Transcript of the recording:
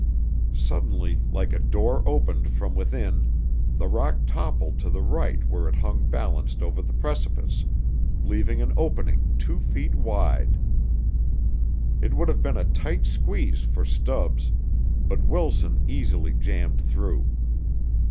Suddenly, like a door opened from within, the rock toppled to the right where it hung balanced over the precipice, leaving an opening two feet wide. It would have been a tight squeeze for Stubbs, but Wilson easily jammed through.